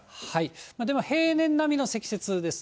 でも平年並みの積雪ですね。